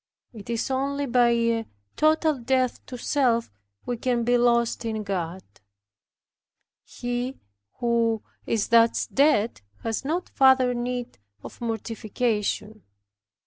It is only by a total death to self we can be lost in God. He who is thus dead has no further need of mortification.